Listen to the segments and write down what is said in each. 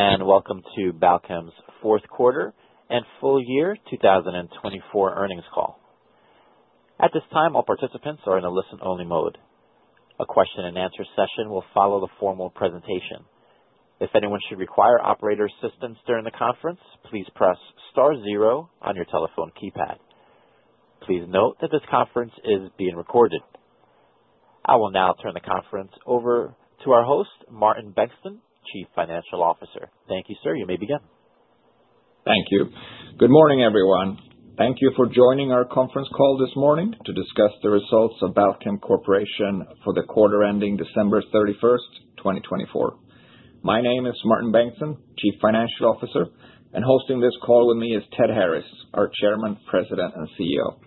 Welcome to Balchem's fourth quarter and full year 2024 earnings call. At this time, all participants are in a listen-only mode. A question-and-answer session will follow the formal presentation. If anyone should require operator assistance during the conference, please press star zero on your telephone keypad. Please note that this conference is being recorded. I will now turn the conference over to our host, Martin Bengtsson, Chief Financial Officer. Thank you, sir. You may begin. Thank you. Good morning, everyone. Thank you for joining our conference call this morning to discuss the results of Balchem Corporation for the quarter ending December 31st, 2024. My name is Martin Bengtsson, Chief Financial Officer, and hosting this call with me is Ted Harris, our Chairman, President, and CEO.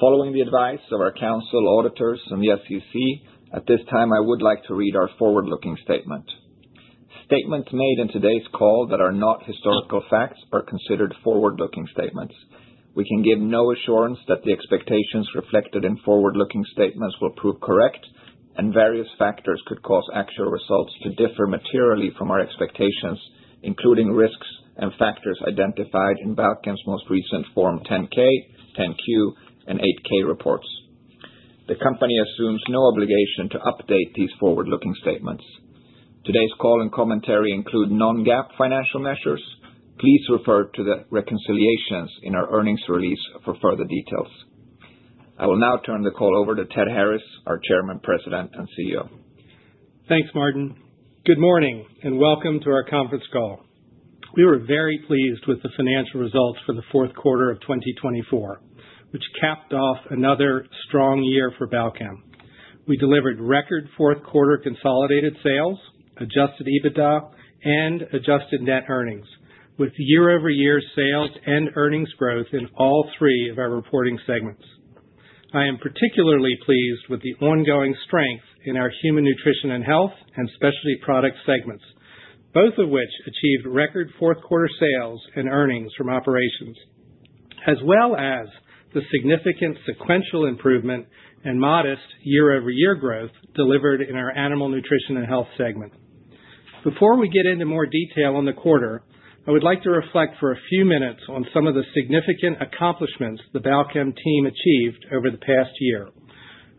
Following the advice of our counsel auditors and the SEC, at this time, I would like to read our forward-looking statement. Statements made in today's call that are not historical facts are considered forward-looking statements. We can give no assurance that the expectations reflected in forward-looking statements will prove correct, and various factors could cause actual results to differ materially from our expectations, including risks and factors identified in Balchem's most recent Form 10-K, 10-Q, and 8-K reports. The company assumes no obligation to update these forward-looking statements. Today's call and commentary include non-GAAP financial measures. Please refer to the reconciliations in our earnings release for further details. I will now turn the call over to Ted Harris, our Chairman, President, and CEO. Thanks, Martin. Good morning and welcome to our conference call. We were very pleased with the financial results for the fourth quarter of 2024, which capped off another strong year for Balchem. We delivered record fourth quarter consolidated sales, Adjusted EBITDA, and adjusted net earnings, with year-over-year sales and earnings growth in all three of our reporting segments. I am particularly pleased with the ongoing strength in our human nutrition and health and specialty product segments, both of which achieved record fourth quarter sales and earnings from operations, as well as the significant sequential improvement and modest year-over-year growth delivered in our animal nutrition and health segment. Before we get into more detail on the quarter, I would like to reflect for a few minutes on some of the significant accomplishments the Balchem team achieved over the past year.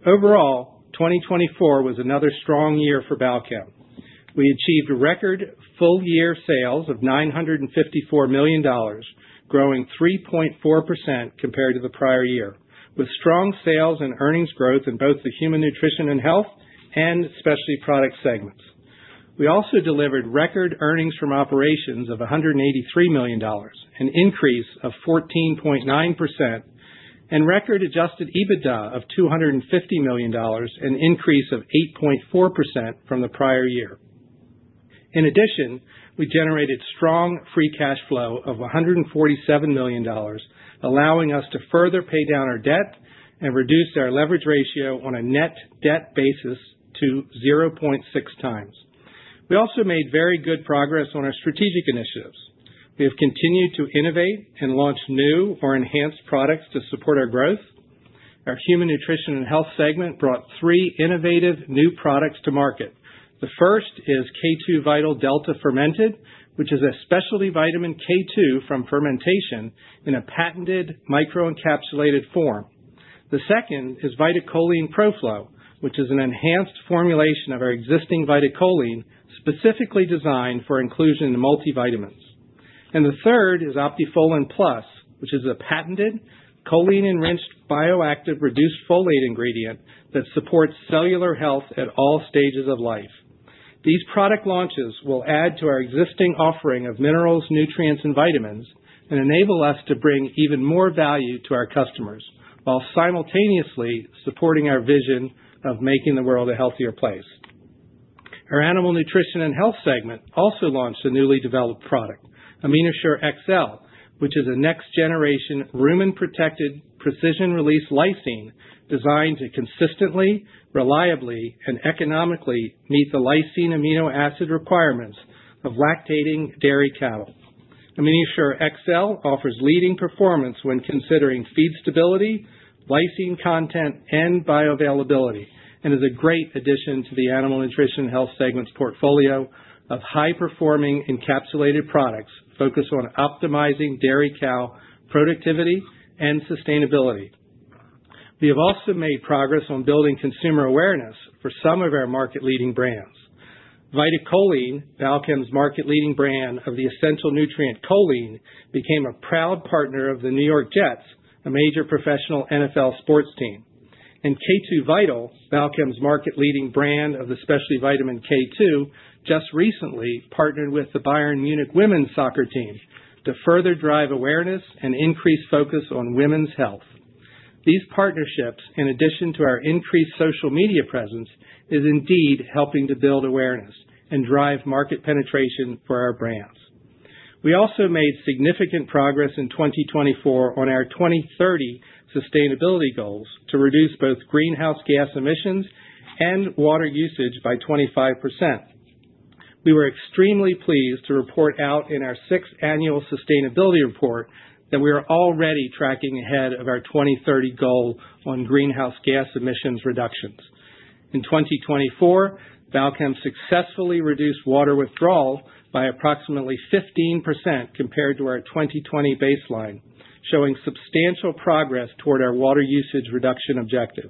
Overall, 2024 was another strong year for Balchem. We achieved record full year sales of $954 million, growing 3.4% compared to the prior year, with strong sales and earnings growth in both the human nutrition and health and specialty product segments. We also delivered record earnings from operations of $183 million, an increase of 14.9%, and record adjusted EBITDA of $250 million, an increase of 8.4% from the prior year. In addition, we generated strong free cash flow of $147 million, allowing us to further pay down our debt and reduce our leverage ratio on a net debt basis to 0.6 times. We also made very good progress on our strategic initiatives. We have continued to innovate and launch new or enhanced products to support our growth. Our human nutrition and health segment brought three innovative new products to market. The first is K2VITAL Delta Fermented, which is a specialty vitamin K2 from fermentation in a patented microencapsulated form. The second is VitaCholine ProFlow, which is an enhanced formulation of our existing VitaCholine, specifically designed for inclusion in multivitamins. And the third is Optifolin Plus, which is a patented choline-enriched bioactive reduced folate ingredient that supports cellular health at all stages of life. These product launches will add to our existing offering of minerals, nutrients, and vitamins and enable us to bring even more value to our customers while simultaneously supporting our vision of making the world a healthier place. Our animal nutrition and health segment also launched a newly developed product, AminoSure XL, which is a next-generation rumen-protected precision-release lysine designed to consistently, reliably, and economically meet the lysine amino acid requirements of lactating dairy cattle. AminoSure XL offers leading performance when considering feed stability, lysine content, and bioavailability, and is a great addition to the animal nutrition and health segment's portfolio of high-performing encapsulated products focused on optimizing dairy cow productivity and sustainability. We have also made progress on building consumer awareness for some of our market-leading brands. VitaCholine, Balchem's market-leading brand of the essential nutrient choline, became a proud partner of the New York Jets, a major professional NFL sports team, and K2VITAL, Balchem's market-leading brand of the specialty vitamin K2, just recently partnered with the Bayern Munich women's soccer team to further drive awareness and increase focus on women's health. These partnerships, in addition to our increased social media presence, are indeed helping to build awareness and drive market penetration for our brands. We also made significant progress in 2024 on our 2030 sustainability goals to reduce both greenhouse gas emissions and water usage by 25%. We were extremely pleased to report out in our sixth annual sustainability report that we are already tracking ahead of our 2030 goal on greenhouse gas emissions reductions. In 2024, Balchem successfully reduced water withdrawal by approximately 15% compared to our 2020 baseline, showing substantial progress toward our water usage reduction objective.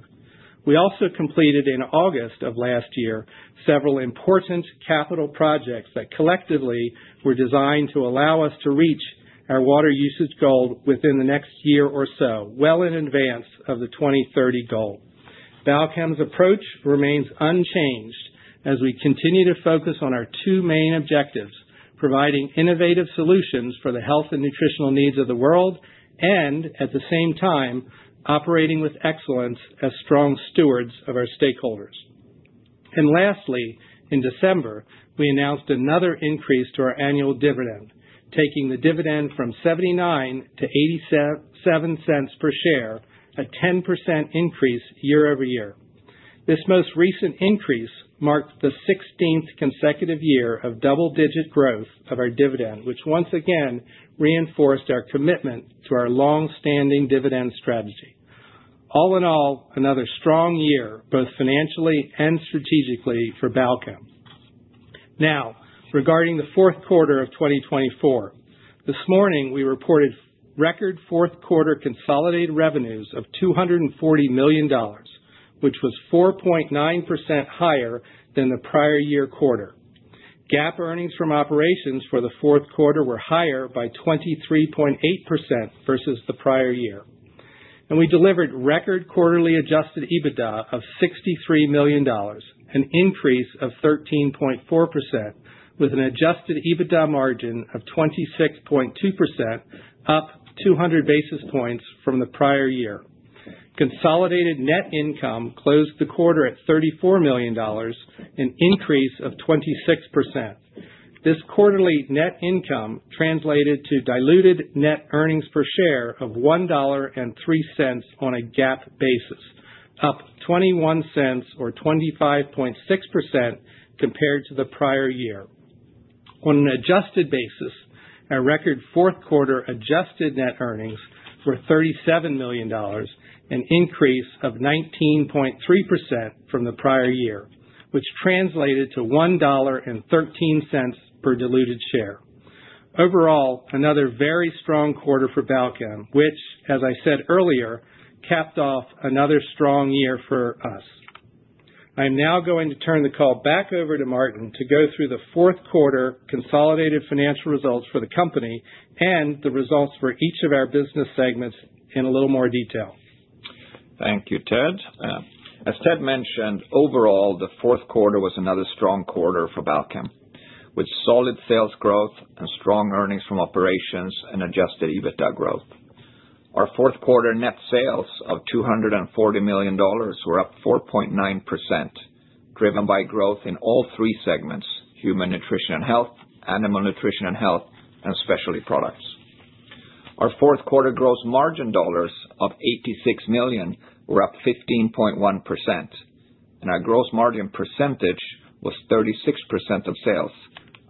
We also completed in August of last year several important capital projects that collectively were designed to allow us to reach our water usage goal within the next year or so, well in advance of the 2030 goal. Balchem's approach remains unchanged as we continue to focus on our two main objectives: providing innovative solutions for the health and nutritional needs of the world and, at the same time, operating with excellence as strong stewards of our stakeholders, and lastly, in December, we announced another increase to our annual dividend, taking the dividend from $0.79-$0.87 per share, a 10% increase year-over-year. This most recent increase marked the 16th consecutive year of double-digit growth of our dividend, which once again reinforced our commitment to our long-standing dividend strategy. All in all, another strong year, both financially and strategically, for Balchem. Now, regarding the fourth quarter of 2024, this morning we reported record fourth quarter consolidated revenues of $240 million, which was 4.9% higher than the prior year quarter. GAAP earnings from operations for the fourth quarter were higher by 23.8% versus the prior year. We delivered record quarterly adjusted EBITDA of $63 million, an increase of 13.4%, with an adjusted EBITDA margin of 26.2%, up 200 basis points from the prior year. Consolidated net income closed the quarter at $34 million, an increase of 26%. This quarterly net income translated to diluted net earnings per share of $1.03 on a GAAP basis, up $0.21 or 25.6% compared to the prior year. On an adjusted basis, our record fourth quarter adjusted net earnings were $37 million, an increase of 19.3% from the prior year, which translated to $1.13 per diluted share. Overall, another very strong quarter for Balchem, which, as I said earlier, capped off another strong year for us. I'm now going to turn the call back over to Martin to go through the fourth quarter consolidated financial results for the company and the results for each of our business segments in a little more detail. Thank you, Ted. As Ted mentioned, overall, the fourth quarter was another strong quarter for Balchem, with solid sales growth and strong earnings from operations and Adjusted EBITDA growth. Our fourth quarter net sales of $240 million were up 4.9%, driven by growth in all three segments: human nutrition and health, animal nutrition and health, and specialty products. Our fourth quarter gross margin dollars of $86 million were up 15.1%, and our gross margin percentage was 36% of sales,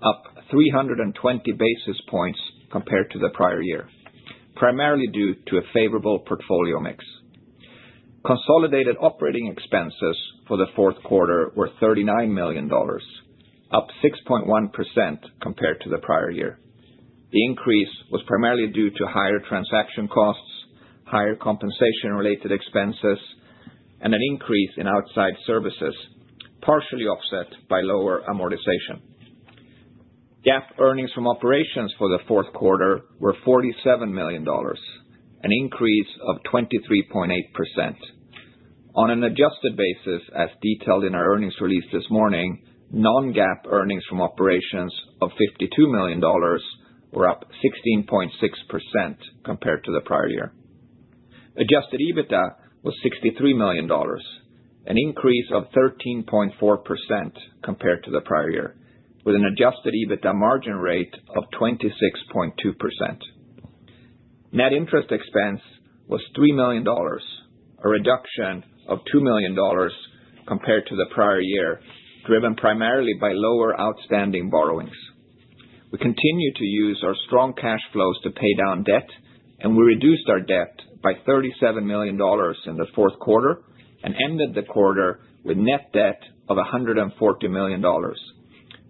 up 320 basis points compared to the prior year, primarily due to a favorable portfolio mix. Consolidated operating expenses for the fourth quarter were $39 million, up 6.1% compared to the prior year. The increase was primarily due to higher transaction costs, higher compensation-related expenses, and an increase in outside services, partially offset by lower amortization. GAAP earnings from operations for the fourth quarter were $47 million, an increase of 23.8%. On an adjusted basis, as detailed in our earnings release this morning, Non-GAAP earnings from operations of $52 million were up 16.6% compared to the prior year. Adjusted EBITDA was $63 million, an increase of 13.4% compared to the prior year, with an adjusted EBITDA margin rate of 26.2%. Net interest expense was $3 million, a reduction of $2 million compared to the prior year, driven primarily by lower outstanding borrowings. We continue to use our strong cash flows to pay down debt, and we reduced our debt by $37 million in the fourth quarter and ended the quarter with net debt of $140 million,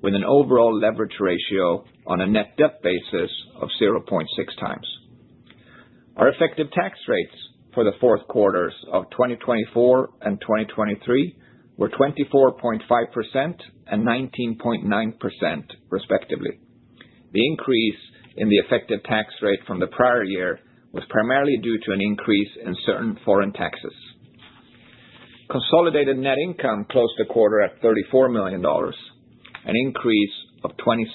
with an overall leverage ratio on a net debt basis of 0.6 times. Our effective tax rates for the fourth quarters of 2024 and 2023 were 24.5% and 19.9%, respectively. The increase in the effective tax rate from the prior year was primarily due to an increase in certain foreign taxes. Consolidated net income closed the quarter at $34 million, an increase of 26%.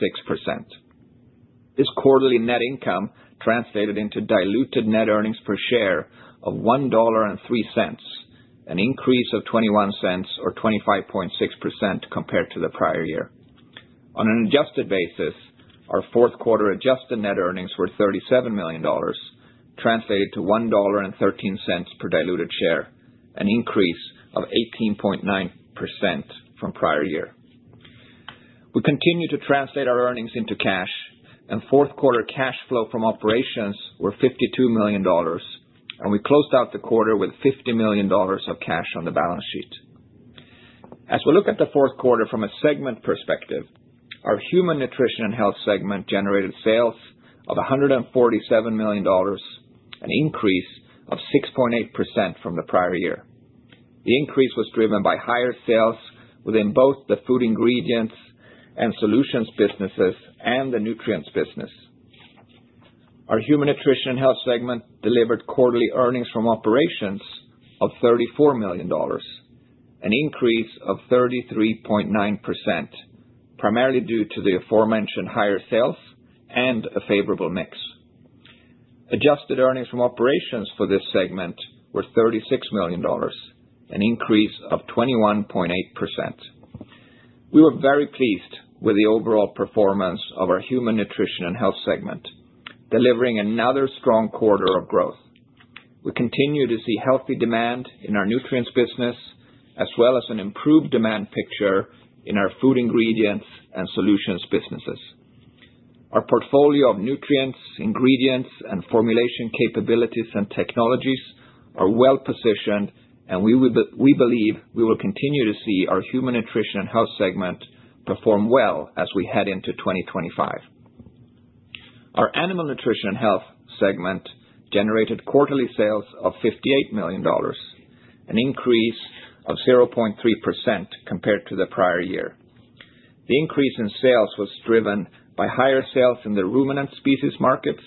This quarterly net income translated into diluted net earnings per share of $1.03, an increase of 21 cents or 25.6% compared to the prior year. On an adjusted basis, our fourth quarter adjusted net earnings were $37 million, translated to $1.13 per diluted share, an increase of 18.9% from prior year. We continue to translate our earnings into cash, and fourth quarter cash flow from operations was $52 million, and we closed out the quarter with $50 million of cash on the balance sheet. As we look at the fourth quarter from a segment perspective, our human nutrition and health segment generated sales of $147 million, an increase of 6.8% from the prior year. The increase was driven by higher sales within both the food ingredients and solutions businesses and the nutrients business. Our human nutrition and health segment delivered quarterly earnings from operations of $34 million, an increase of 33.9%, primarily due to the aforementioned higher sales and a favorable mix. Adjusted earnings from operations for this segment were $36 million, an increase of 21.8%. We were very pleased with the overall performance of our human nutrition and health segment, delivering another strong quarter of growth. We continue to see healthy demand in our nutrients business, as well as an improved demand picture in our food ingredients and solutions businesses. Our portfolio of nutrients, ingredients, and formulation capabilities and technologies are well positioned, and we believe we will continue to see our human nutrition and health segment perform well as we head into 2025. Our animal nutrition and health segment generated quarterly sales of $58 million, an increase of 0.3% compared to the prior year. The increase in sales was driven by higher sales in the ruminant species markets,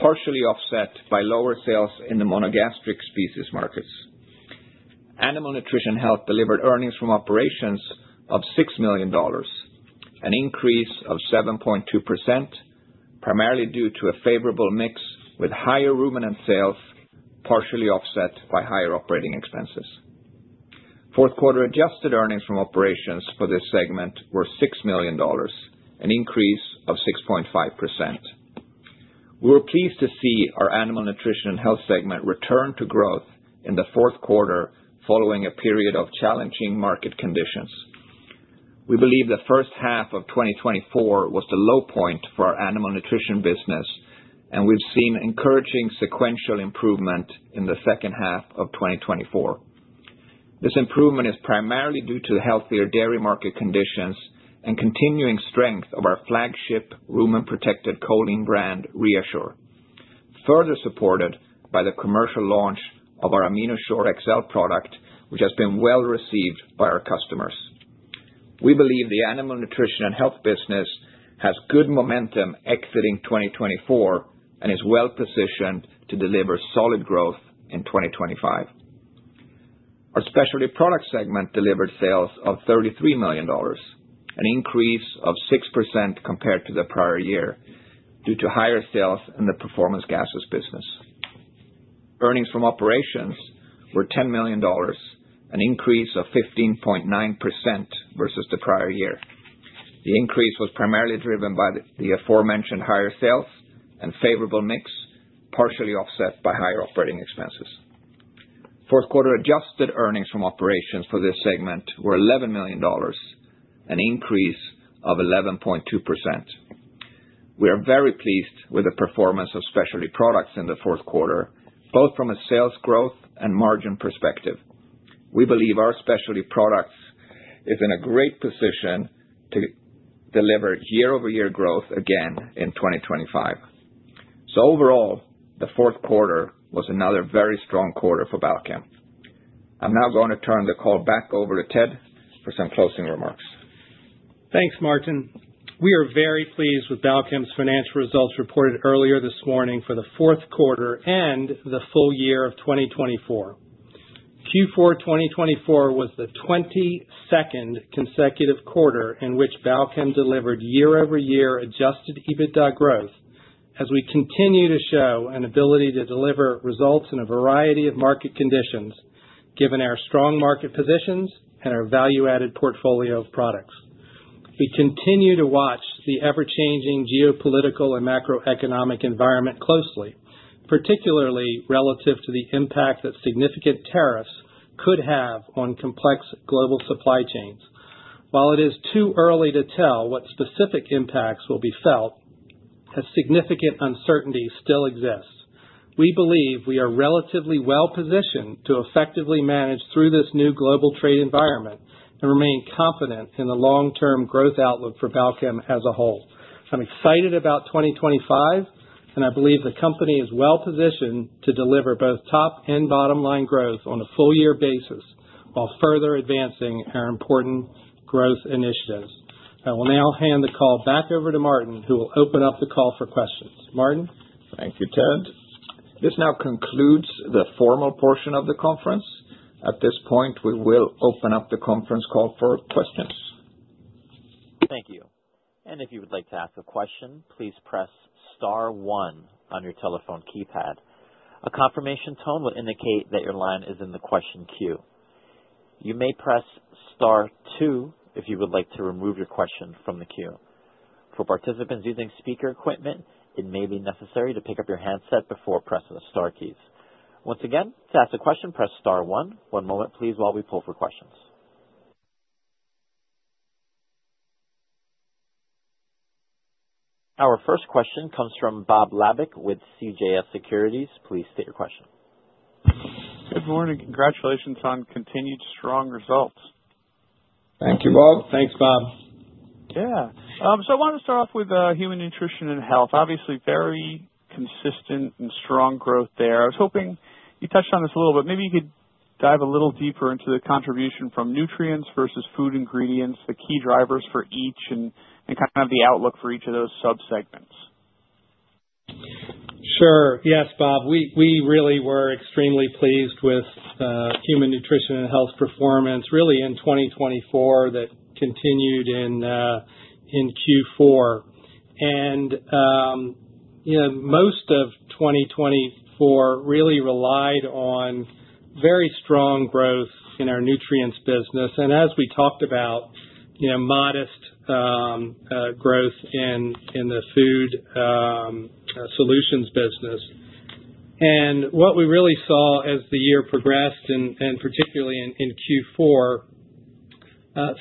partially offset by lower sales in the monogastric species markets. Animal nutrition and health delivered earnings from operations of $6 million, an increase of 7.2%, primarily due to a favorable mix with higher ruminant sales, partially offset by higher operating expenses. Fourth quarter adjusted earnings from operations for this segment were $6 million, an increase of 6.5%. We were pleased to see our animal nutrition and health segment return to growth in the fourth quarter following a period of challenging market conditions. We believe the first half of 2024 was the low point for our animal nutrition business, and we've seen encouraging sequential improvement in the second half of 2024. This improvement is primarily due to the healthier dairy market conditions and continuing strength of our flagship rumen-protected choline brand, ReaShure, further supported by the commercial launch of our AminoSure XL product, which has been well received by our customers. We believe the animal nutrition and health business has good momentum exiting 2024 and is well positioned to deliver solid growth in 2025. Our specialty product segment delivered sales of $33 million, an increase of 6% compared to the prior year due to higher sales in the performance gases business. Earnings from operations were $10 million, an increase of 15.9% versus the prior year. The increase was primarily driven by the aforementioned higher sales and favorable mix, partially offset by higher operating expenses. Fourth quarter adjusted earnings from operations for this segment were $11 million, an increase of 11.2%. We are very pleased with the performance of specialty products in the fourth quarter, both from a sales growth and margin perspective. We believe our specialty products are in a great position to deliver year-over-year growth again in 2025. So overall, the fourth quarter was another very strong quarter for Balchem. I'm now going to turn the call back over to Ted for some closing remarks. Thanks, Martin. We are very pleased with Balchem's financial results reported earlier this morning for the fourth quarter and the full year of 2024. Q4 2024 was the 22nd consecutive quarter in which Balchem delivered year-over-year Adjusted EBITDA growth, as we continue to show an ability to deliver results in a variety of market conditions, given our strong market positions and our value-added portfolio of products. We continue to watch the ever-changing geopolitical and macroeconomic environment closely, particularly relative to the impact that significant tariffs could have on complex global supply chains. While it is too early to tell what specific impacts will be felt, as significant uncertainty still exists, we believe we are relatively well positioned to effectively manage through this new global trade environment and remain confident in the long-term growth outlook for Balchem as a whole. I'm excited about 2025, and I believe the company is well positioned to deliver both top and bottom-line growth on a full-year basis while further advancing our important growth initiatives. I will now hand the call back over to Martin, who will open up the call for questions. Martin. Thank you, Ted. This now concludes the formal portion of the conference. At this point, we will open up the conference call for questions. Thank you. And if you would like to ask a question, please press star one on your telephone keypad. A confirmation tone will indicate that your line is in the question queue. You may press star two if you would like to remove your question from the queue. For participants using speaker equipment, it may be necessary to pick up your handset before pressing the star keys. Once again, to ask a question, press star one. One moment, please, while we pull for questions. Our first question comes from Bob Labick with CJS Securities. Please state your question. Good morning. Congratulations on continued strong results. Thank you, Bob. Thanks, Bob. Yeah. So I wanted to start off with human nutrition and health. Obviously, very consistent and strong growth there. I was hoping you touched on this a little bit. Maybe you could dive a little deeper into the contribution from nutrients versus food ingredients, the key drivers for each, and kind of the outlook for each of those subsegments. Sure. Yes, Bob. We really were extremely pleased with human nutrition and health performance, really in 2024, that continued in Q4. And most of 2024 really relied on very strong growth in our nutrients business, and as we talked about, modest growth in the food solutions business. And what we really saw as the year progressed, and particularly in Q4,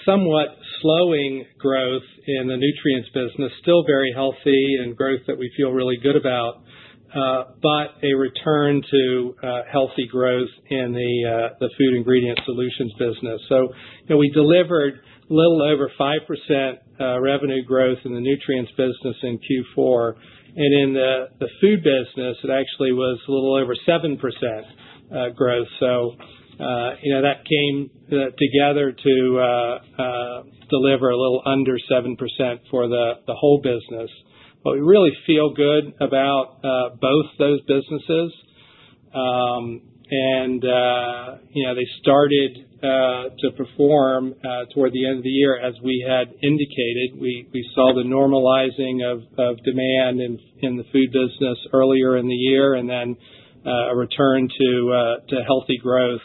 somewhat slowing growth in the nutrients business, still very healthy and growth that we feel really good about, but a return to healthy growth in the food ingredients solutions business. So we delivered a little over 5% revenue growth in the nutrients business in Q4. And in the food business, it actually was a little over 7% growth. So that came together to deliver a little under 7% for the whole business. But we really feel good about both those businesses. and they started to perform toward the end of the year, as we had indicated. We saw the normalizing of demand in the food business earlier in the year and then a return to healthy growth.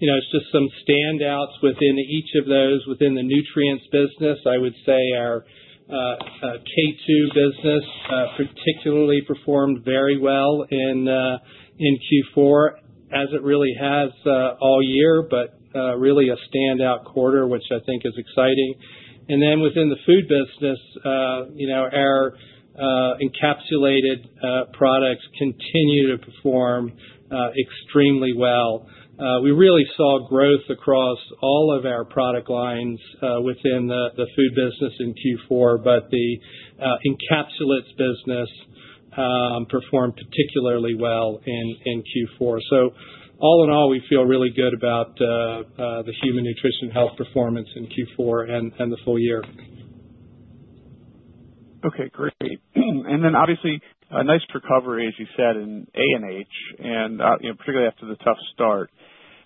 It's just some standouts within each of those. Within the nutrients business, I would say our K2 business particularly performed very well in Q4, as it really has all year, but really a standout quarter, which I think is exciting. And then within the food business, our encapsulated products continue to perform extremely well. We really saw growth across all of our product lines within the food business in Q4, but the encapsulates business performed particularly well in Q4. so all in all, we feel really good about the human nutrition and health performance in Q4 and the full year. Okay. Great. And then obviously, a nice recovery, as you said, in A&H, and particularly after the tough start.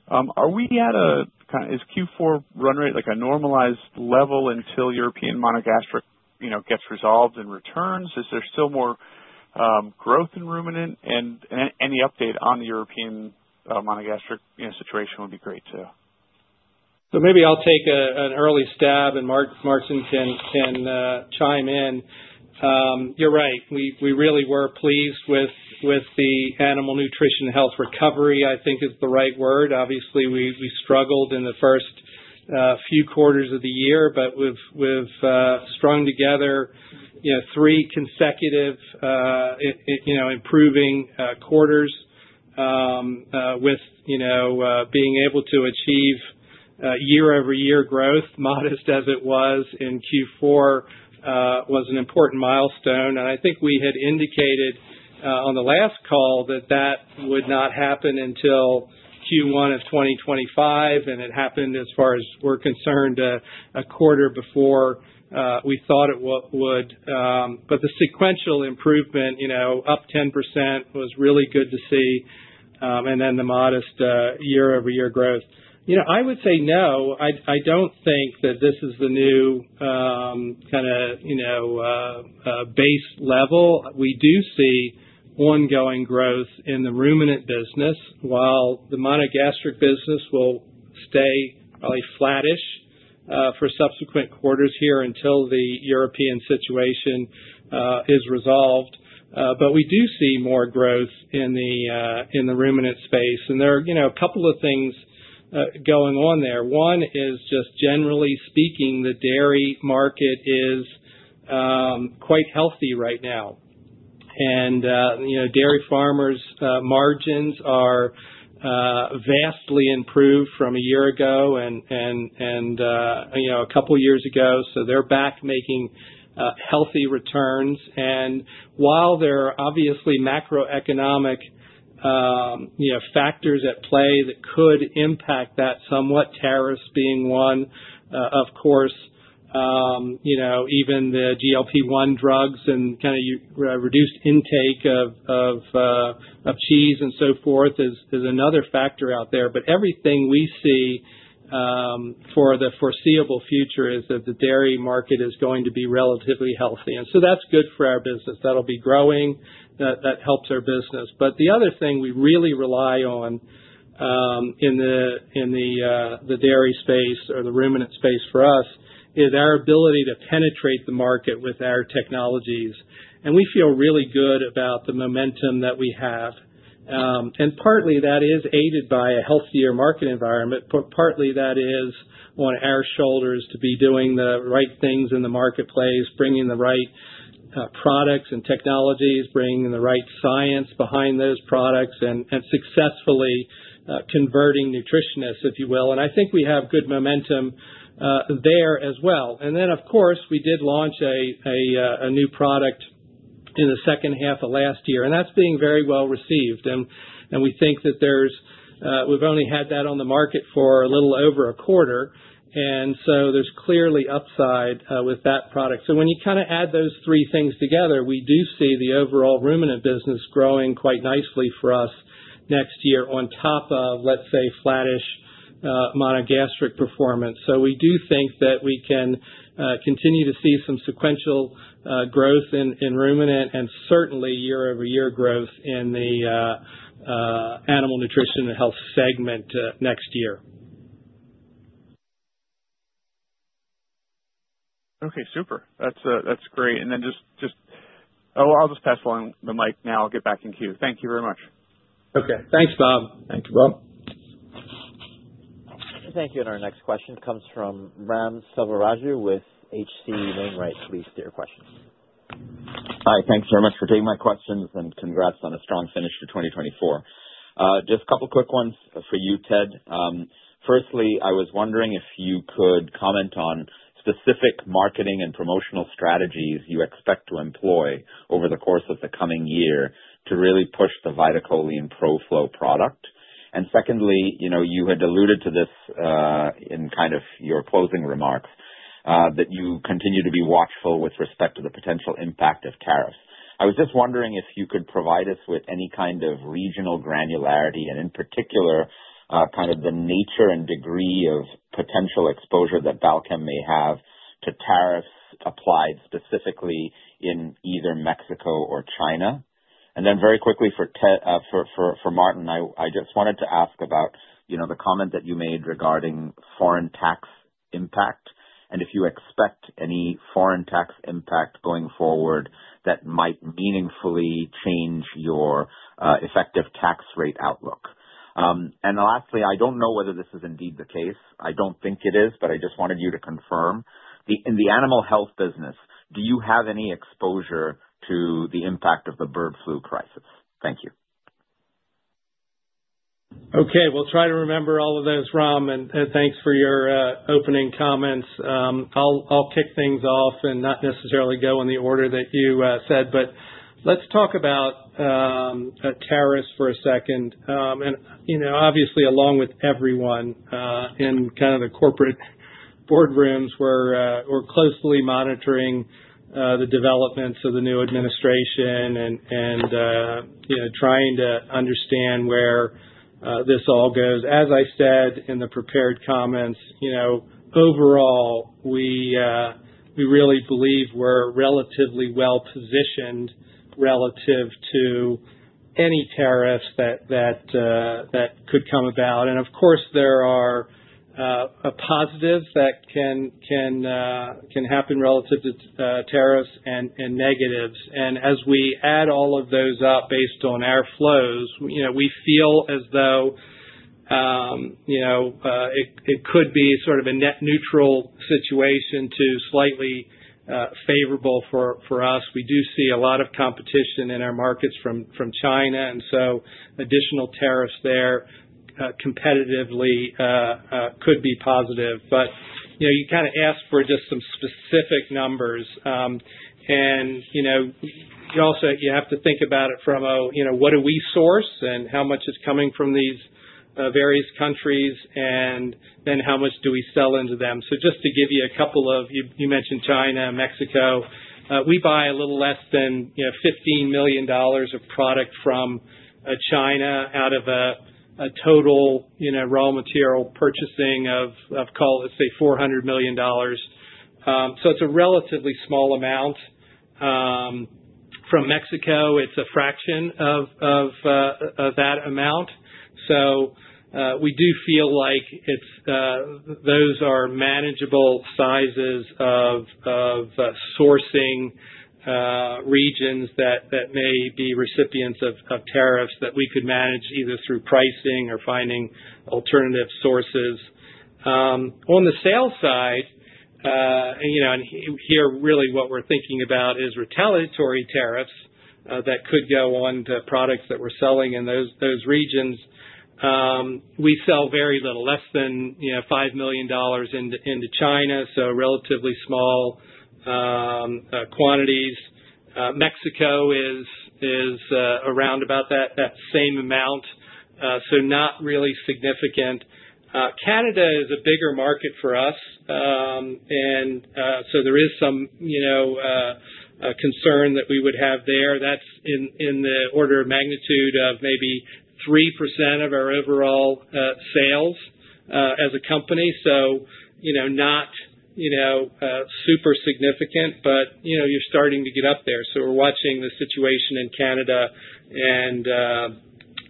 Are we at a kind of is Q4 run rate like a normalized level until European monogastric gets resolved and returns? Is there still more growth in ruminant? And any update on the European monogastric situation would be great too? So maybe I'll take an early stab, and Mark Martinson can chime in. You're right. We really were pleased with the animal nutrition and health recovery, I think is the right word. Obviously, we struggled in the first few quarters of the year, but we've strung together three consecutive improving quarters with being able to achieve year-over-year growth. Modest, as it was in Q4, was an important milestone. And I think we had indicated on the last call that that would not happen until Q1 of 2025, and it happened, as far as we're concerned, a quarter before we thought it would. But the sequential improvement, up 10%, was really good to see. And then the modest year-over-year growth. I would say no. I don't think that this is the new kind of base level. We do see ongoing growth in the ruminant business, while the monogastric business will stay probably flattish for subsequent quarters here until the European situation is resolved. But we do see more growth in the ruminant space. And there are a couple of things going on there. One is just, generally speaking, the dairy market is quite healthy right now. And dairy farmers' margins are vastly improved from a year ago and a couple of years ago. So they're back making healthy returns. And while there are obviously macroeconomic factors at play that could impact that, somewhat tariffs being one, of course, even the GLP-1 drugs and kind of reduced intake of cheese and so forth is another factor out there. But everything we see for the foreseeable future is that the dairy market is going to be relatively healthy. And so that's good for our business. That'll be growing. That helps our business. But the other thing we really rely on in the dairy space or the ruminant space for us is our ability to penetrate the market with our technologies. And we feel really good about the momentum that we have. And partly, that is aided by a healthier market environment. Partly, that is on our shoulders to be doing the right things in the marketplace, bringing the right products and technologies, bringing the right science behind those products, and successfully converting nutritionists, if you will. And I think we have good momentum there as well. And then, of course, we did launch a new product in the second half of last year, and that's being very well received. And we think that we've only had that on the market for a little over a quarter. And so there's clearly upside with that product. So when you kind of add those three things together, we do see the overall ruminant business growing quite nicely for us next year on top of, let's say, flattish monogastric performance. So we do think that we can continue to see some sequential growth in ruminant and certainly year-over-year growth in the animal nutrition and health segment next year. Okay. Super. That's great. And then just, oh, I'll just pass along the mic now. I'll get back in queue. Thank you very much. Okay. Thanks, Bob. Thank you, Bob. Thank you. And our next question comes from Ram Selvaraju with H.C. Wainwright. Please state your question. Hi. Thanks very much for taking my questions, and congrats on a strong finish to 2024. Just a couple of quick ones for you, Ted. Firstly, I was wondering if you could comment on specific marketing and promotional strategies you expect to employ over the course of the coming year to really push the VitaCholine ProFlow product. And secondly, you had alluded to this in kind of your closing remarks that you continue to be watchful with respect to the potential impact of tariffs. I was just wondering if you could provide us with any kind of regional granularity and, in particular, kind of the nature and degree of potential exposure that Balchem may have to tariffs applied specifically in either Mexico or China. And then very quickly for Martin, I just wanted to ask about the comment that you made regarding foreign tax impact and if you expect any foreign tax impact going forward that might meaningfully change your effective tax rate outlook. And lastly, I don't know whether this is indeed the case. I don't think it is, but I just wanted you to confirm. In the animal health business, do you have any exposure to the impact of the bird flu crisis? Thank you. Okay. We'll try to remember all of those, Ram. And thanks for your opening comments. I'll kick things off and not necessarily go in the order that you said, but let's talk about tariffs for a second. And obviously, along with everyone in kind of the corporate boardrooms, we're closely monitoring the developments of the new administration and trying to understand where this all goes. As I said in the prepared comments, overall, we really believe we're relatively well positioned relative to any tariffs that could come about. And of course, there are positives that can happen relative to tariffs and negatives. And as we add all of those up based on our flows, we feel as though it could be sort of a net neutral situation to slightly favorable for us. We do see a lot of competition in our markets from China. And so additional tariffs there competitively could be positive. But you kind of asked for just some specific numbers. And you have to think about it from what do we source and how much is coming from these various countries, and then how much do we sell into them. So just to give you a couple of. You mentioned China and Mexico. We buy a little less than $15 million of product from China out of a total raw material purchasing of, call it, let's say, $400 million. So it's a relatively small amount. From Mexico, it's a fraction of that amount. So we do feel like those are manageable sizes of sourcing regions that may be recipients of tariffs that we could manage either through pricing or finding alternative sources. On the sales side, and here, really, what we're thinking about is retaliatory tariffs that could go on to products that we're selling in those regions. We sell very little, less than $5 million into China, so relatively small quantities. Mexico is around about that same amount, so not really significant. Canada is a bigger market for us. And so there is some concern that we would have there. That's in the order of magnitude of maybe 3% of our overall sales as a company. So not super significant, but you're starting to get up there. So we're watching the situation in Canada and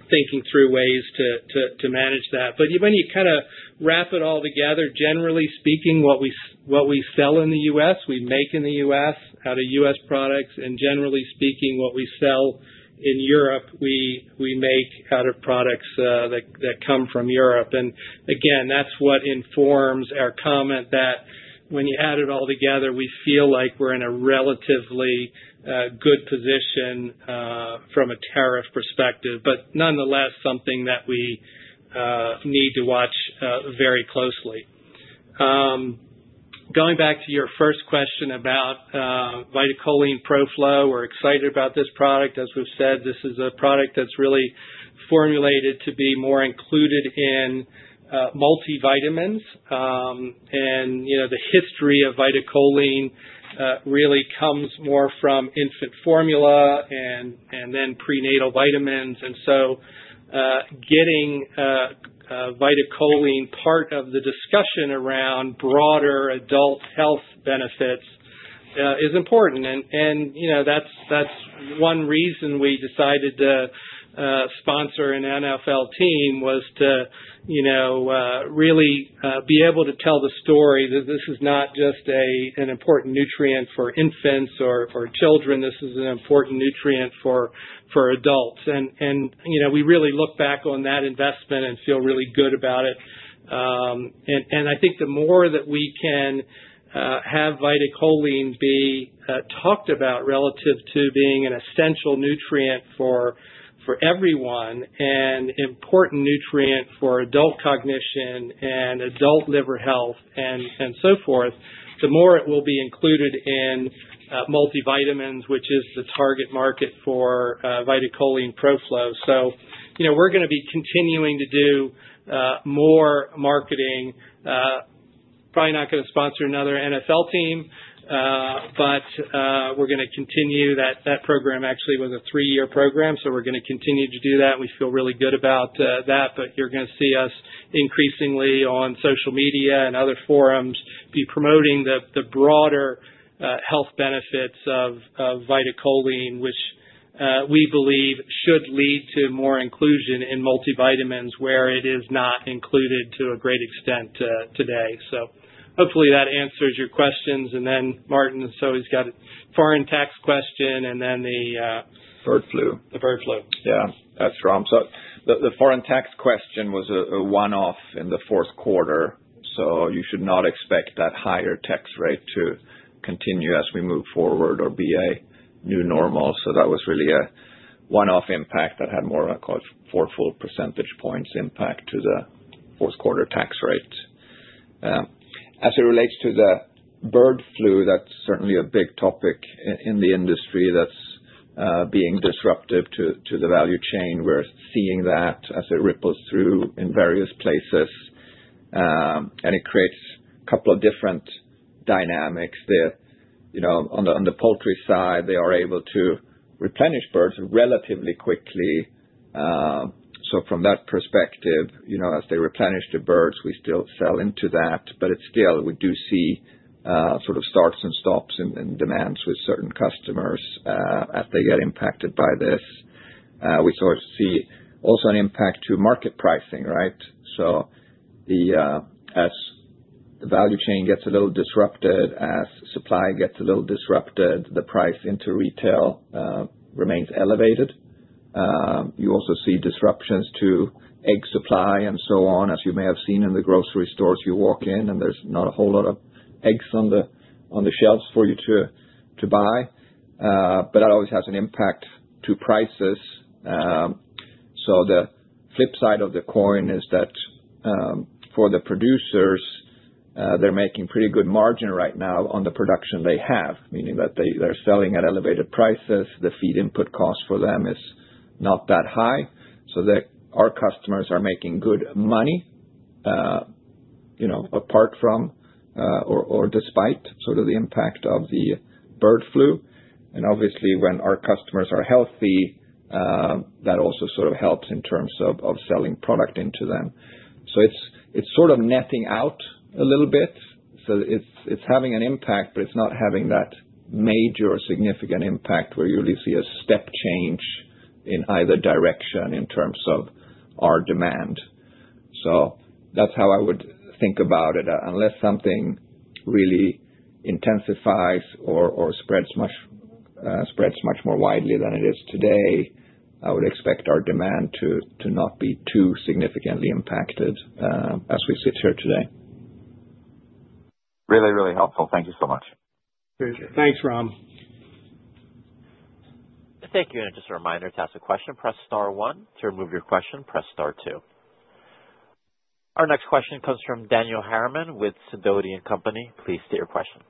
thinking through ways to manage that. But when you kind of wrap it all together, generally speaking, what we sell in the U.S., we make in the U.S. out of U.S. products. Generally speaking, what we sell in Europe, we make out of products that come from Europe. And again, that's what informs our comment that when you add it all together, we feel like we're in a relatively good position from a tariff perspective, but nonetheless, something that we need to watch very closely. Going back to your first question about VitaCholine ProFlow, we're excited about this product. As we've said, this is a product that's really formulated to be more included in multivitamins. And the history of VitaCholine really comes more from infant formula and then prenatal vitamins. And so getting VitaCholine part of the discussion around broader adult health benefits is important. And that's one reason we decided to sponsor an NFL team was to really be able to tell the story that this is not just an important nutrient for infants or for children. This is an important nutrient for adults. And we really look back on that investment and feel really good about it. And I think the more that we can have VitaCholine be talked about relative to being an essential nutrient for everyone and important nutrient for adult cognition and adult liver health and so forth, the more it will be included in multivitamins, which is the target market for VitaCholine ProFlow. So we're going to be continuing to do more marketing. Probably not going to sponsor another NFL team, but we're going to continue that program. Actually, it was a three-year program, so we're going to continue to do that. We feel really good about that. But you're going to see us increasingly on social media and other forums be promoting the broader health benefits of VitaCholine, which we believe should lead to more inclusion in multivitamins where it is not included to a great extent today. So hopefully, that answers your questions. And then, Martin, so he's got a foreign tax question and then the. Bird flu. The bird flu. Yeah. That's Ram. So the foreign tax question was a one-off in the fourth quarter. You should not expect that higher tax rate to continue as we move forward or be a new normal. That was really a one-off impact that had more of a four full percentage points impact to the fourth quarter tax rates. As it relates to the bird flu, that's certainly a big topic in the industry that's being disruptive to the value chain. We're seeing that as it ripples through in various places. It creates a couple of different dynamics. On the poultry side, they are able to replenish birds relatively quickly. From that perspective, as they replenish the birds, we still sell into that. Still, we do see sort of starts and stops in demands with certain customers as they get impacted by this. We also see an impact to market pricing, right? So as the value chain gets a little disrupted, as supply gets a little disrupted, the price into retail remains elevated. You also see disruptions to egg supply and so on, as you may have seen in the grocery stores you walk in, and there's not a whole lot of eggs on the shelves for you to buy. But that always has an impact to prices. So the flip side of the coin is that for the producers, they're making pretty good margin right now on the production they have, meaning that they're selling at elevated prices. The feed input cost for them is not that high. So our customers are making good money apart from or despite sort of the impact of the bird flu. Obviously, when our customers are healthy, that also sort of helps in terms of selling product into them. So it's sort of netting out a little bit. So it's having an impact, but it's not having that major significant impact where you really see a step change in either direction in terms of our demand. So that's how I would think about it. Unless something really intensifies or spreads much more widely than it is today, I would expect our demand to not be too significantly impacted as we sit here today. Really, really helpful. Thank you so much. Thanks, Rom. Thank you. And just a reminder to ask a question, press star one. To remove your question, press star two. Our next question comes from Daniel Harriman with Sidoti & Company. Please state your question.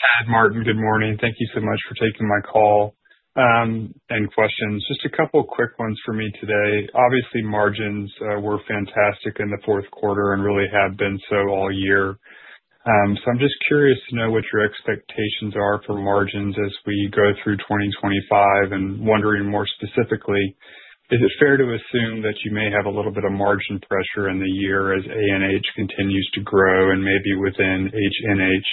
Hi, Martin. Good morning. Thank you so much for taking my call and questions. Just a couple of quick ones for me today. Obviously, margins were fantastic in the fourth quarter and really have been so all year. So I'm just curious to know what your expectations are for margins as we go through 2025 and wondering more specifically, is it fair to assume that you may have a little bit of margin pressure in the year as ANH continues to grow and maybe within HNH,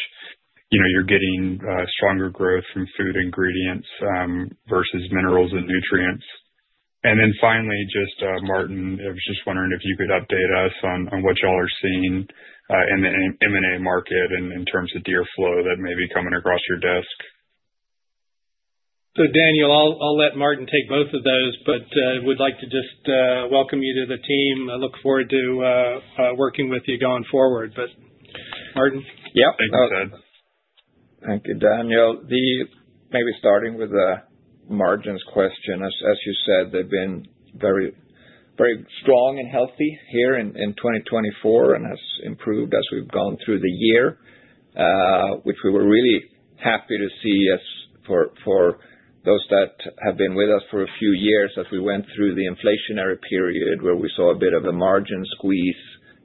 you're getting stronger growth from food ingredients versus minerals and nutrients? And then finally, just Martin, I was just wondering if you could update us on what y'all are seeing in the M&A market and in terms of deal flow that may be coming across your desk. So Daniel, I'll let Martin take both of those, but would like to just welcome you to the team. I look forward to working with you going forward. But Martin? Yeah. Thank you, Ted. Thank you, Daniel. Maybe starting with the margins question, as you said, they've been very strong and healthy here in 2024 and has improved as we've gone through the year, which we were really happy to see for those that have been with us for a few years as we went through the inflationary period where we saw a bit of a margin squeeze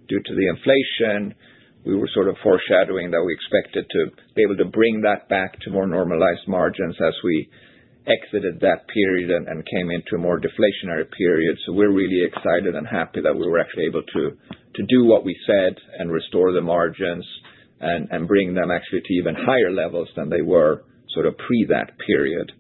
due to the inflation. We were sort of foreshadowing that we expected to be able to bring that back to more normalized margins as we exited that period and came into a more deflationary period. So we're really excited and happy that we were actually able to do what we said and restore the margins and bring them actually to even higher levels than they were sort of pre that period.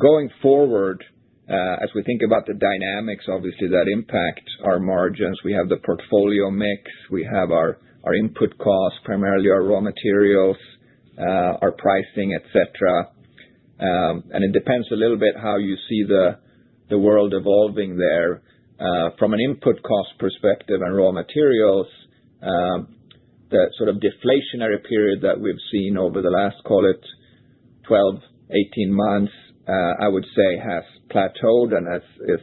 Going forward, as we think about the dynamics, obviously, that impact our margins. We have the portfolio mix. We have our input costs, primarily our raw materials, our pricing, etc., and it depends a little bit how you see the world evolving there. From an input cost perspective and raw materials, the sort of deflationary period that we've seen over the last, call it, 12-18 months, I would say has plateaued and is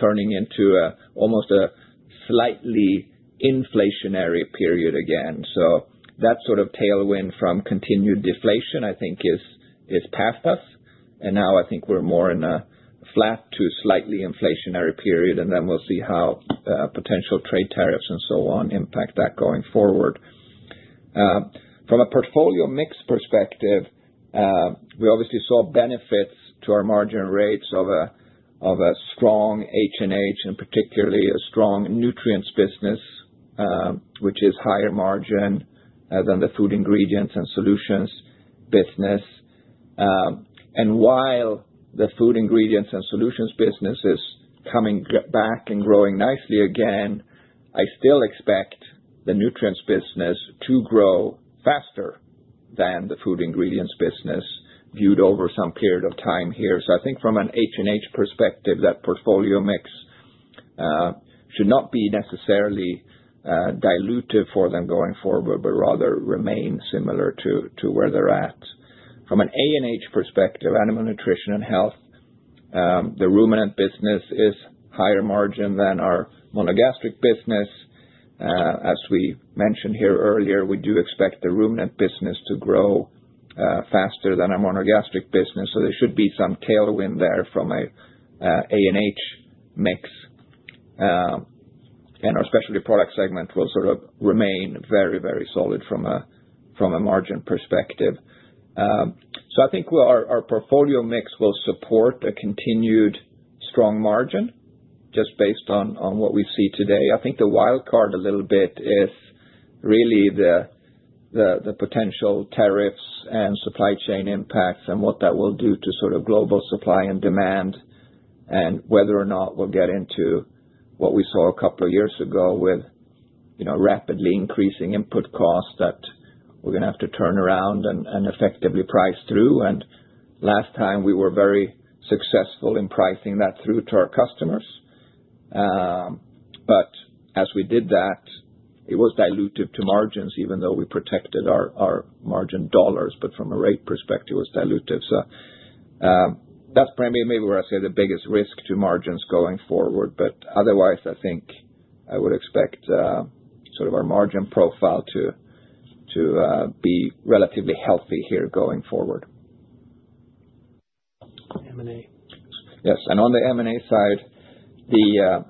turning into almost a slightly inflationary period again, so that sort of tailwind from continued deflation, I think, is past us. And now I think we're more in a flat to slightly inflationary period, and then we'll see how potential trade tariffs and so on impact that going forward. From a portfolio mix perspective, we obviously saw benefits to our margin rates of a strong H&H and particularly a strong nutrients business, which is higher margin than the food ingredients and solutions business, and while the food ingredients and solutions business is coming back and growing nicely again, I still expect the nutrients business to grow faster than the food ingredients business viewed over some period of time here, so I think from an H&H perspective, that portfolio mix should not be necessarily dilutive for them going forward, but rather remain similar to where they're at. From an ANH perspective, animal nutrition and health, the ruminant business is higher margin than our monogastric business. As we mentioned here earlier, we do expect the ruminant business to grow faster than our monogastric business, so there should be some tailwind there from an ANH mix. Our specialty product segment will sort of remain very, very solid from a margin perspective. So I think our portfolio mix will support a continued strong margin just based on what we see today. I think the wild card a little bit is really the potential tariffs and supply chain impacts and what that will do to sort of global supply and demand and whether or not we'll get into what we saw a couple of years ago with rapidly increasing input costs that we're going to have to turn around and effectively price through. And last time, we were very successful in pricing that through to our customers. But as we did that, it was dilutive to margins, even though we protected our margin dollars. But from a rate perspective, it was dilutive. So that's maybe where I say the biggest risk to margins going forward. But otherwise, I think I would expect sort of our margin profile to be relatively healthy here going forward. M&A. Yes. And on the M&A side,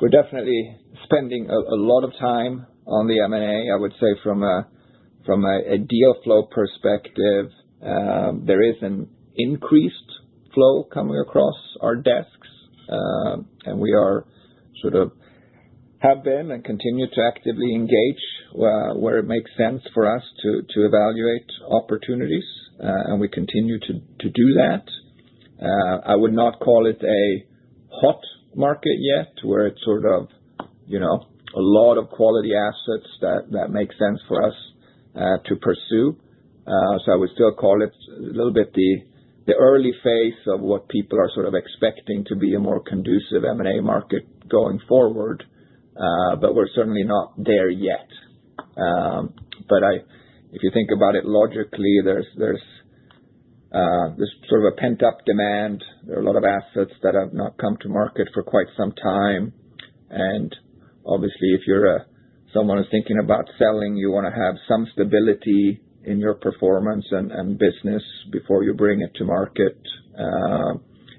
we're definitely spending a lot of time on the M&A, I would say, from a deal flow perspective. There is an increased flow coming across our desks, and we sort of have been and continue to actively engage where it makes sense for us to evaluate opportunities. And we continue to do that. I would not call it a hot market yet where it's sort of a lot of quality assets that make sense for us to pursue. So I would still call it a little bit the early phase of what people are sort of expecting to be a more conducive M&A market going forward, but we're certainly not there yet. But if you think about it logically, there's sort of a pent-up demand. There are a lot of assets that have not come to market for quite some time. And obviously, if you're someone who's thinking about selling, you want to have some stability in your performance and business before you bring it to market.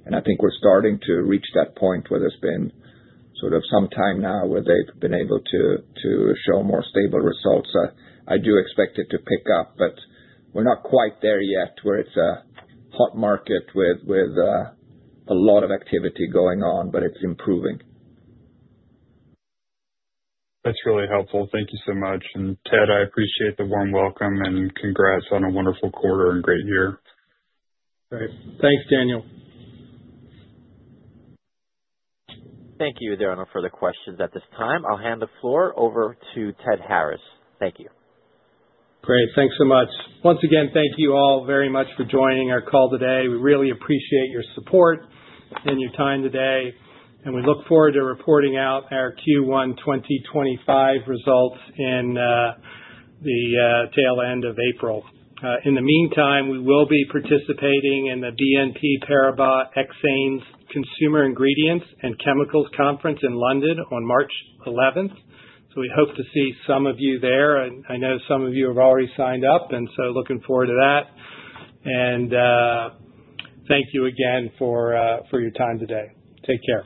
And I think we're starting to reach that point where there's been sort of some time now where they've been able to show more stable results. I do expect it to pick up, but we're not quite there yet where it's a hot market with a lot of activity going on, but it's improving. That's really helpful. Thank you so much. And Ted, I appreciate the warm welcome and congrats on a wonderful quarter and great year. Thanks, Daniel. Thank you, Adriano, for the questions at this time. I'll hand the floor over to Ted Harris. Thank you. Great. Thanks so much. Once again, thank you all very much for joining our call today. We really appreciate your support and your time today. And we look forward to reporting out our Q1 2025 results in the tail end of April. In the meantime, we will be participating in the BNP Paribas Exane's Consumer Ingredients and Chemicals Conference in London on March 11th. So we hope to see some of you there. I know some of you have already signed up, and so looking forward to that. And thank you again for your time today. Take care.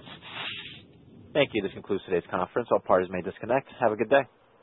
Thank you. This concludes today's conference. All parties may disconnect. Have a good day.